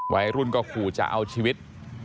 วัยรุ่นก็ขู่จะเอาชีวิต